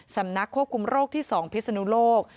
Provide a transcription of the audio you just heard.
สำนักควบคุมโรคที่๒พิศนุโลก